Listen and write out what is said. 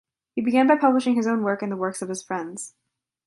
He began by publishing his own work and the works of his friends.